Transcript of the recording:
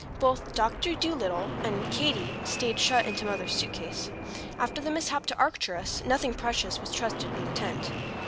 Both "Doctor Dolittle" and "Katy" stayed shut into Mother's suit case. After the mishap to Arcturus, nothing precious was trusted in the tent.